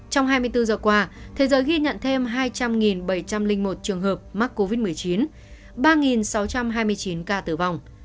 trong hai mươi bốn giờ qua thế giới ghi nhận thêm hai trăm linh bảy trăm linh một trường hợp mắc covid một mươi chín ba sáu trăm hai mươi chín ca tử vong